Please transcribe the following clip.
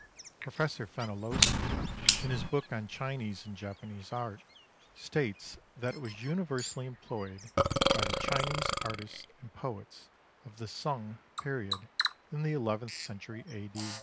Professor Fenollosa, in his book on Chinese and Japanese art, states that it was universally employed by the Chinese artists and poets of the Sung period in the eleventh century A.